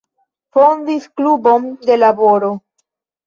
Fondis Klubon de Laboro.